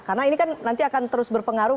karena ini kan nanti akan terus berpengaruh